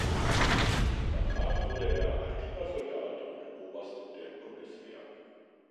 Danach wurde er aktiver Soldat und Oberst der Bundeswehr.